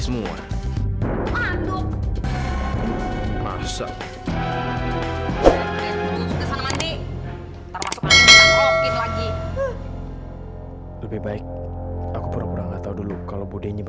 sampai jumpa di video selanjutnya